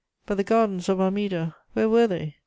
But the gardens of Armida, where were they?